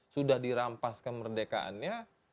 sudah dirampas kemerdekaannya